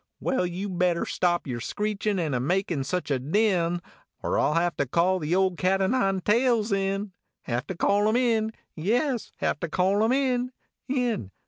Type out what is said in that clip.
Well, you better stop yer screechin an a makin such a din, Er I ll have to call the old cat o nine tails in Have to call him in ; yes, have to call him in ; in.